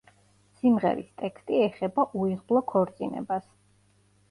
სიმღერის ტექსტი ეხება უიღბლო ქორწინებას.